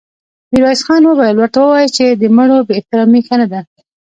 ميرويس خان وويل: ورته وواياست چې د مړو بې احترامې ښه نه ده.